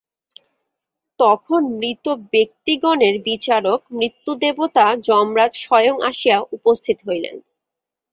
তখন মৃত ব্যক্তিগণের বিচারক মৃত্যুদেবতা যমরাজ স্বয়ং আসিয়া উপস্থিত হইলেন।